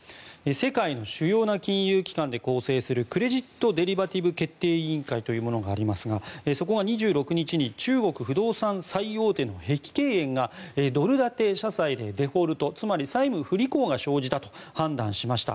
世界の主要な金融機関で構成するクレジットデリバティブ決定委員会というものがありますがそこが２６日に中国不動産最大手の碧桂園がドル建て社債でデフォルトつまり債務不履行が生じたと判断しました。